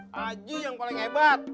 haji yang paling hebat